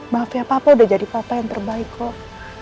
maaf ya papa udah jadi papa yang terbaik kok